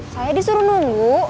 saya disuruh nunggu